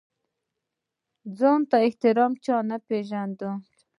ځان ته احترام چا نه پېژانده.